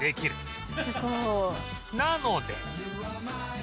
なので